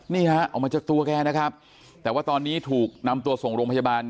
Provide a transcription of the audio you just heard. นี่ฮะออกมาจากตัวแกนะครับแต่ว่าตอนนี้ถูกนำตัวส่งโรงพยาบาล